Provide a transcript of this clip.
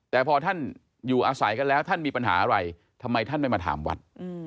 แต่พอท่านอยู่อาศัยกันแล้วท่านมีปัญหาอะไรทำไมท่านไม่มาถามวัด